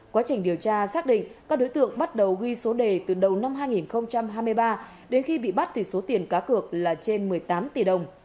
quá trình điều tra xác định các đối tượng bắt đầu ghi số đề từ đầu năm hai nghìn hai mươi ba đến khi bị bắt thì số tiền cá cược là trên một mươi tám tỷ đồng